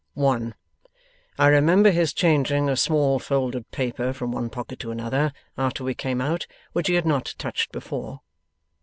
One: I remember his changing a small folded paper from one pocket to another, after we came out, which he had not touched before.